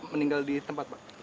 meninggal di tempat